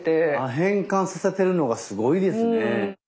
変換させてるのがすごいですね。